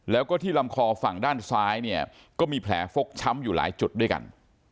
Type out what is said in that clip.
แล้วก็ที่ลำคอฝั่งด้านซ้ายเนี่ยก็มีแผลฟกช้ำอยู่หลายจุดด้วยกัน